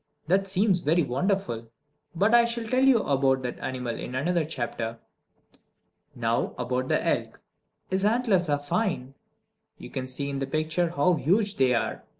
That seems very wonderful. But I shall tell you about that animal in another chapter. Now about the elk. His antlers are fine! You can see in the picture how huge they are.